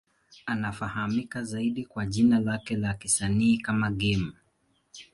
Anafahamika zaidi kwa jina lake la kisanii kama Game.